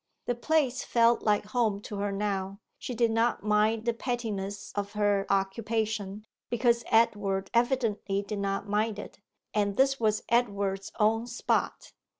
The place felt like home to her now; she did not mind the pettiness of her occupation, because Edward evidently did not mind it; and this was Edward's own spot.